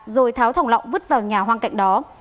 rồi tháo thòng lọng vứt vào nhà hoang cạnh đó